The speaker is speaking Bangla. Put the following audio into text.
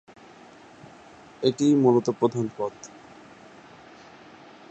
এটিই মূলত প্রধান পথ।